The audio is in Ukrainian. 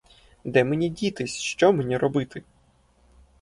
Де мені дітись, що мені робити?